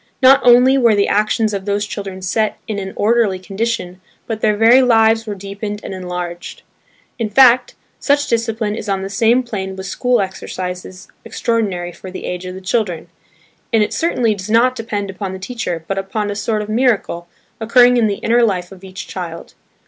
Not only were the actions of those children set in an orderly condition, but their very lives were deepened and enlarged. In fact, such discipline is on the same plane with school exercises extraordinary for the age of the children; and it certainly does not depend upon the teacher but upon a sort of miracle, occurring in the inner life of each child.